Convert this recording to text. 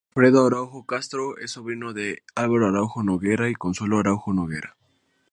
Alfredo Araújo Castro es sobrino de Alvaro Araújo Noguera y Consuelo Araújo Noguera.